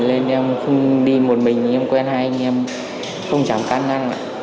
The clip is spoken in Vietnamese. nên em không đi một mình em quen hai anh em không chẳng can năng